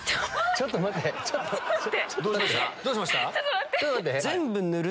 ちょっと待って⁉よって。